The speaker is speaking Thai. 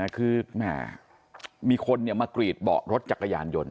คือมีคนมากรีดเบาะรถจักรยานยนต